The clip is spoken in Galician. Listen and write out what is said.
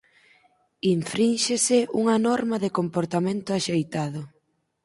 Infrínxese unha norma de comportamento axeitado.